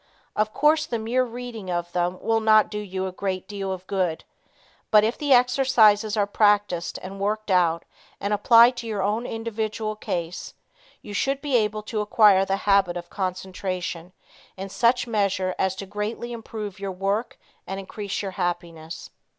Of course the mere reading of them will not do you a great deal of good, but, if the exercises are practiced and worked out and applied to your own individual case, you should be able to acquire the habit of concentration in such measure as to greatly improve your work and increase your happiness.